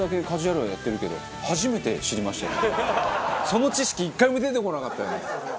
その知識１回も出てこなかったよね。